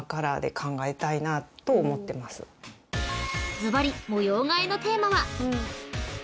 ［ずばり模様替えのテーマは？］